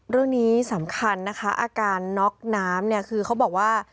เรื่องนี้สำคัญนะคะอาการน็อกน้ำเนี่ยคือเขาบอกว่า